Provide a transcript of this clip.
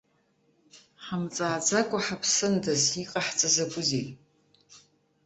Ҳамҵааӡакәа ҳаԥсындаз, иҟаҳҵа закәызеи?!